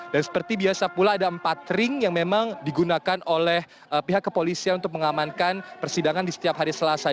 dan seperti biasa pula ada empat ring yang memang digunakan oleh pihak kepolisian untuk mengamankan persidangan di setiap hari selasa